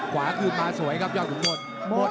ขวาคืนมาสวยครับยอดขุนมศถือหมด